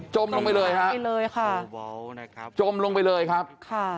จมลงไปเลยครับจมลงไปเลยครับค่ะ